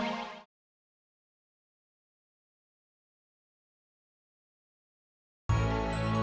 di mana saja